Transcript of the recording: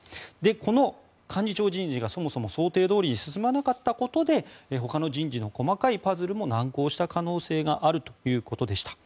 この幹事長人事がそもそも想定どおりに進まなかったことでほかの人事の細かいパズルも難航した可能性があるということでした。